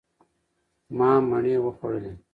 ما مڼې وخوړلې.